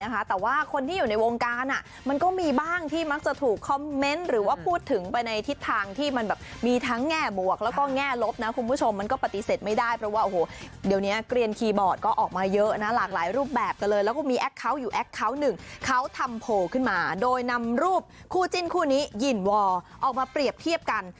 แต่ว่าคนที่อยู่ในวงการมันก็มีบ้างที่มักจะถูกคอมเมนต์หรือว่าพูดถึงไปในทิศทางที่มันแบบมีทั้งแง่บวกแล้วก็แง่ลบนะคุณผู้ชมมันก็ปฏิเสร็จไม่ได้เพราะว่าโอ้โหเดี๋ยวเนี้ยเกรียญคีย์บอร์ดก็ออกมาเยอะนะหลากหลายรูปแบบกันเลยแล้วก็มีแอคเคาน์อยู่แอคเคาน์หนึ่งเขาทำโผล่ขึ้นมาโดยน